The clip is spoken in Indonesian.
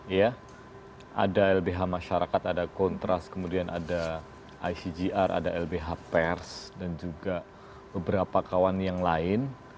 iya ada lbh masyarakat ada kontras kemudian ada icgr ada lbh pers dan juga beberapa kawan yang lain